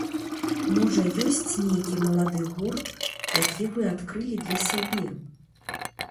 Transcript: Можа ёсць нейкі малады гурт, які вы адкрылі для сябе?